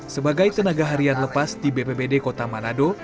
sebagai tenaga harian lepas di bpbd kota manado